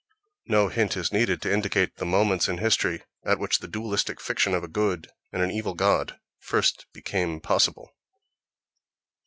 No hint is needed to indicate the moments in history at which the dualistic fiction of a good and an evil god first became possible.